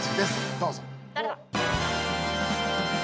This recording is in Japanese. どうぞ！